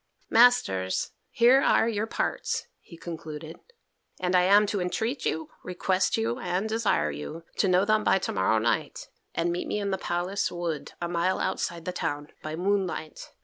"Masters, here are your parts," he concluded, "and I am to entreat you, request you, and desire you, to know them by to morrow night, and meet me in the palace wood, a mile outside the town, by moonlight.